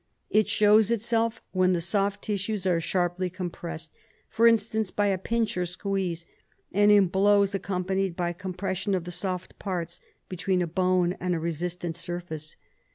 It shows itself when the soft tissues are sharply compressed, for instance, by a pinch or squeeze, and in blows accompanied by compression of the soft parts between a bone and a resistant surface.